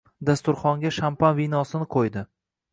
Dasturxonga shampan vinosini qo‘ydi.